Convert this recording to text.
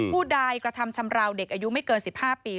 ผู้ใดกระทำชำราวเด็กอายุไม่เกิน๑๕ปี